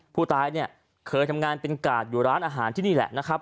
ผู้ตายเนี่ยเคยทำงานเป็นกาดอยู่ร้านอาหารที่นี่แหละนะครับ